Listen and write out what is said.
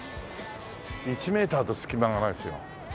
１メーターと隙間がないですよ。